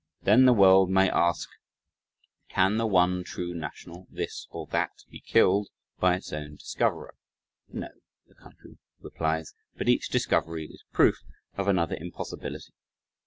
Then the world may ask "Can the one true national "this" or "that" be killed by its own discoverer?" "No," the country replies, "but each discovery is proof of another impossibility."